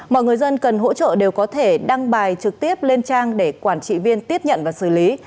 mọi người dân cần hỗ trợ đều có thể đăng bài trực tiếp lên trang để quản trị viên tiếp nhận và xử lý